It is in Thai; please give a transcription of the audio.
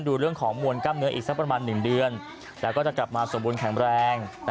ดูเรื่องของมวลกล้ามเนื้ออีกสักประมาณ๑เดือนแล้วก็จะกลับมาสมบูรณแข็งแรง